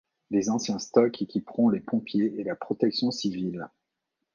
Les anciens stocks équiperont les pompiers et la protection civile.